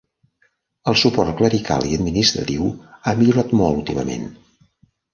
El suport clerical i administratiu ha millorat molt últimament.